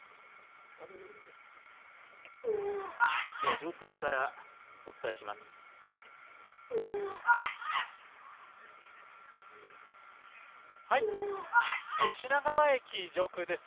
上空からお伝えします。